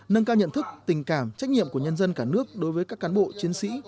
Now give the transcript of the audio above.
nâng cao nhận thức tình cảm trách nhiệm của nhân dân cả nước đối với các cán bộ chiến sĩ